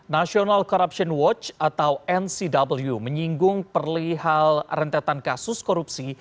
national corruption watch atau ncw menyinggung perlihal rentetan kasus korupsi